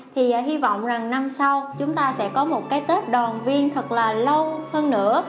thì hy vọng rằng năm sau chúng ta sẽ có một cái tết đoàn viên thật là lâu hơn nữa